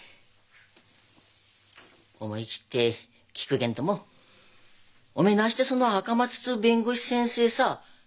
思い切って聞くげんともおめえなしてその赤松っつう弁護士先生さ達也の